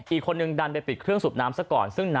อีกคนนึงดันไปปิดเครื่องสูบน้ำซะก่อน